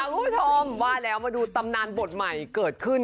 คุณผู้ชมว่าแล้วมาดูตำนานบทใหม่เกิดขึ้น